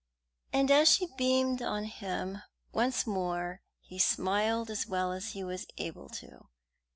And as she beamed on him once more he smiled as well as he was able to.